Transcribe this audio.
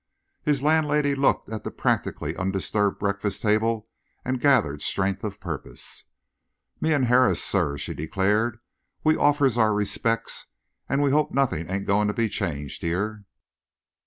His landlady looked at the practically undisturbed breakfast table and gathered strength of purpose. "Me and Harris, sir," she declared, "we offers our respects and we hopes nothing ain't going to be changed here."